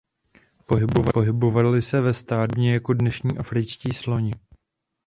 Pohybovali se ve stádech podobně jako dnešní afričtí sloni.